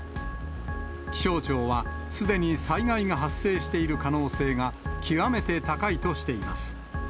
気象庁は、すでに災害が発生している可能性が極めて高いとしています。